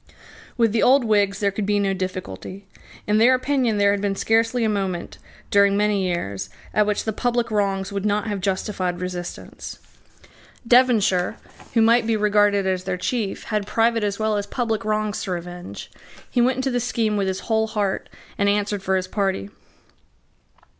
With the old Whigs there could be no difficulty. In their opinion there had been scarcely a moment, during many years, at which the public wrongs would not have justified resistance. Devonshire, who might be regarded as their chief, had private as well as public wrongs to revenge. He went into the scheme with his whole heart, and answered for his party.